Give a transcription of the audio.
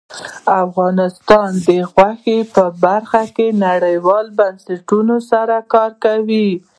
افغانستان د غوښې په برخه کې نړیوالو بنسټونو سره کار کوي.